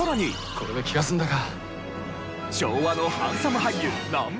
これで気が済んだか。